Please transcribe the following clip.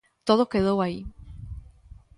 Todo quedou aí.